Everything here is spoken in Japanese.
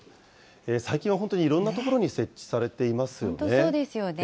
最近は本当にいろんな所に設置さ本当、そうですよね。